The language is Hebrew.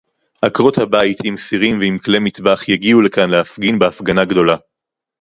עקרות-הבית עם סירים ועם כלי מטבח יגיעו לכאן להפגין בהפגנה גדולה